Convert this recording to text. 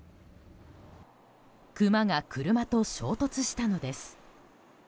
クマが車と衝突したのです。